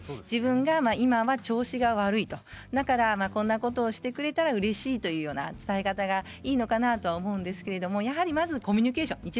自分は今は調子が悪いだからこんなことをしてくれたらうれしいというような伝え方がいいのかなと思うんですけれどまずコミュニケーション。